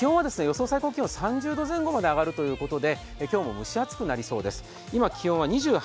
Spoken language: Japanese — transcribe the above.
気温は予想最高気温３０度前後まで上がるということで今日も蒸し暑くなりそうです。